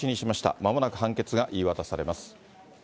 まもなく判決が言い渡されます。